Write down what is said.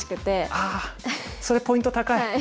ああそれポイント高い。